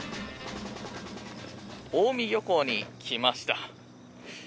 大海漁港に来ました。